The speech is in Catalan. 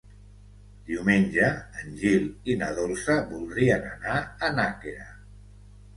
Diumenge en Gil i na Dolça voldrien anar a Nàquera.